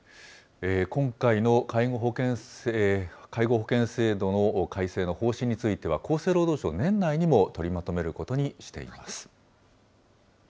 今回の介護保険制度の改正の方針については、厚生労働省、年内にも取りまとめることにしています。